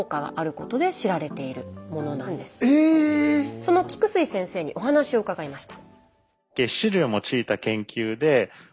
その菊水先生にお話を伺いました。